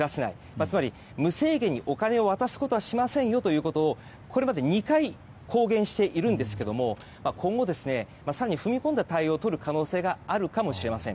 つまり無制限にお金を渡すことはしませんよということをこれまで２回公言しているんですけれども今後、更に踏み込んだ対応をとる可能性があるかもしれません。